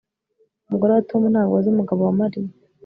Umugore wa Tom ntabwo azi umugabo wa Mariya